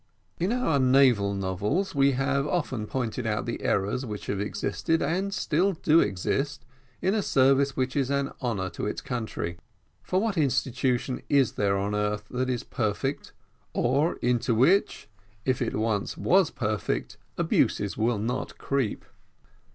In our naval novels, we have often pointed out the errors which have existed, and still do exist, in a service which an honour to its country; for what institution is there on earth that is perfect, or into which, if it once was perfect, abuses will not creep?